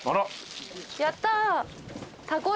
やった。